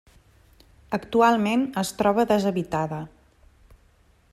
Actualment es troba deshabitada.